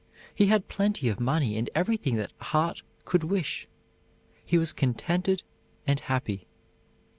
He had plenty of money and everything that heart could wish. He was contented and happy.